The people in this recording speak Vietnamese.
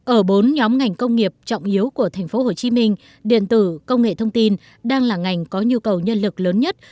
ở bốn nhóm ngành công nghiệp trọng yếu của tp hcm điện tử công nghệ thông tin đang là ngành có nhu cầu nhân lực lớn nhất